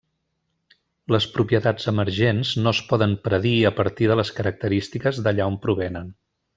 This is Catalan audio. Les propietats emergents no es poden predir a partir de les característiques d'allà on provenen.